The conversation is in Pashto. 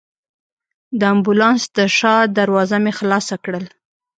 د امبولانس د شا دروازه مې خلاصه کړل.